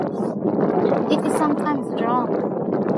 It is sometimes wrong.